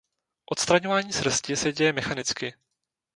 Odstraňování srsti se děje mechanicky.